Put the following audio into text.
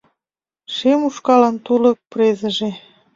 Шем ушкалын тулык презыже